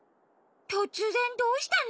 とつぜんどうしたの？